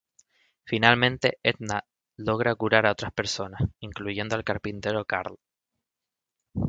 Finalmente, Edna logra curar a otras personas, incluyendo al carpintero Carl.